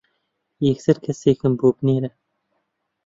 یەکسەر کەسێکم بۆ بنێرە.